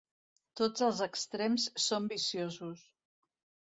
Tots els extrems són viciosos.